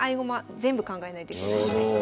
全部考えないといけないので。